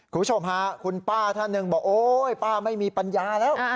คุณป้าท่านหนึ่งบอกโอ๊ยป้าไม่มีปัญญาแล้ว